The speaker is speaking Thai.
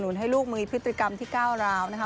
สนุนให้ลูกมือพฤตริกรรมที่ก้าวราวนะคะ